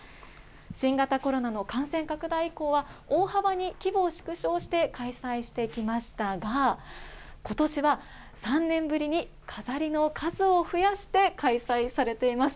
新型コロナの感染拡大以降は、大幅に規模を縮小して開催してきましたが、ことしは３年ぶりに飾りの数を増やして開催されています。